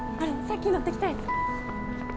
さっき乗ってきたやつ。